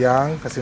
dua kali sehari